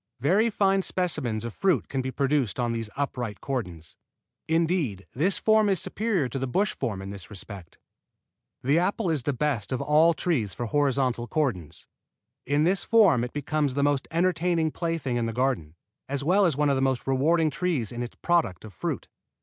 Very fine specimens of fruit can be produced on these upright cordons. Indeed this form is superior to the bush form in this respect. The apple is the best of all trees for horizontal cordons. In this form it becomes the most entertaining plaything in the garden, as well as one of the most rewarding trees in its product of fruit.